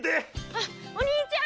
あっお兄ちゃん！